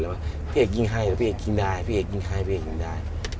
แล้วกับสุดท้ายยิ่งให้ยิ่งได้